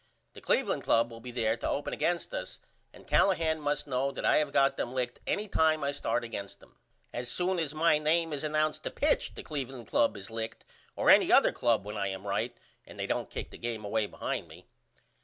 The Cleveland Club will be there to open against us and Callahan must know that I have got them licked any time I start against them. As soon as my name is announced to pitch the Cleveland Club is licked or any other club when I am right and they don't kick the game away behind me.